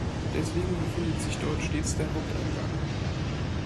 Deswegen befindet sich dort stets der Haupteingang.